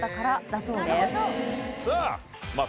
さあまあ